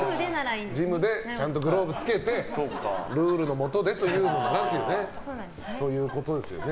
ジムでちゃんとグローブつけてルールのもとでということですね。